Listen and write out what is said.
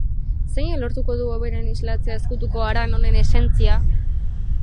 Zeinek lortuko du hoberen islatzea ezkutuko haran honen esentzia?